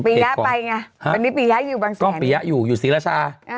ปียะไปไงฮะวันนี้ปียะอยู่บางแสนก็ปียะอยู่อยู่ศิราชาอ่า